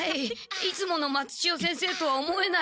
いつもの松千代先生とは思えない。